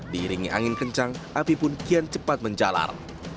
diiringi angin kencang api pun kian cepat menjalar